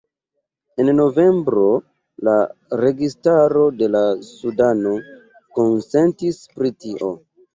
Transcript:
En novembro la registaro de Sudano konsentis pri tio.